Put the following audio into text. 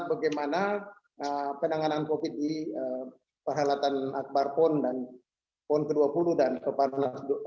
bagaimana penanganan covid sembilan belas di perhelatan akbar pon dan pon ke dua puluh dan peparnas enam belas